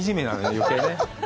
余計ね。